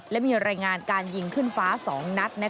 และมีรายงานการยิงขึ้นฟ้า๒นัด